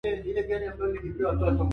unaojulikanayo kwa jina la Kimasai engidara